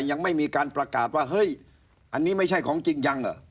ยังไม่มีการประกาศว่าเฮ้ยอันนี้ไม่ใช่ของจริงจังเหรอ